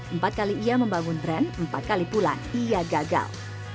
empat kali ia membangun brand empat kali pulang ia gagal